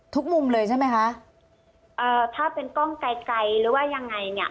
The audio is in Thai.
มุมเลยใช่ไหมคะเอ่อถ้าเป็นกล้องไกลไกลหรือว่ายังไงเนี่ย